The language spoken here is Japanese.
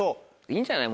いいんじゃない？